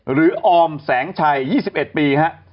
หรือออ๋อมแสงชัย๒๑ปีครับ